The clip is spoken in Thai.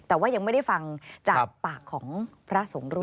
แต่ว่ายังไม่ได้ฟังจากปากของพระสงฆ์รูป